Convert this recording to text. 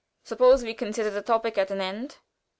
Suppose we consider the topic at an end."